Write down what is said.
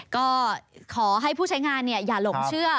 ก็ขอให้ผู้ใช้งานอย่าหลงเชื่อ